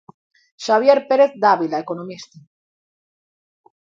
Xabier Pérez Dávila, economista.